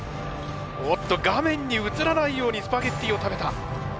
おっと画面に映らないようにスパゲッティを食べた！